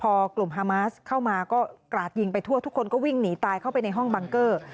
พอกลุ่มฮามาสเข้ามาก็กราดยิงไปทั่วทุกคนก็วิ่งหนีตายเข้าไปในห้องบังเกอร์